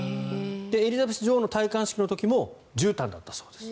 エリザベス女王の戴冠式の時もじゅうたんだったそうです。